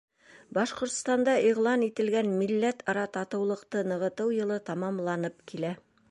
Башҡортостанда иғлан ителгән Милләт-ара татыулыҡты нығытыу йылы тамамланып килә.